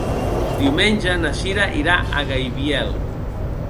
Diumenge na Cira irà a Gaibiel.